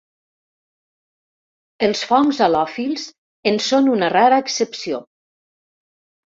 Els fongs halòfíls en són una rara excepció.